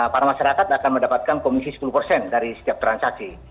para masyarakat akan mendapatkan komisi sepuluh persen dari setiap transaksi